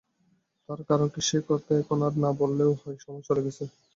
তার কারণ কী সে-কথা এখন আর না বললেও হয়, সময় চলে গেছে।